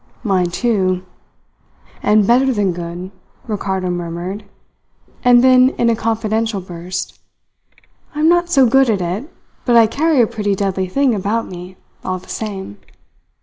"Mine, too and better than good," Ricardo murmured, and then, in a confidential burst: "I am not so good at it, but I carry a pretty deadly thing about me, all the same!"